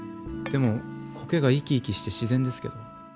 でも苔が生き生きして自然ですけど。